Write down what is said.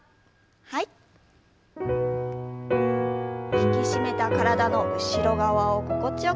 引き締めた体の後ろ側を心地よく伸ばします。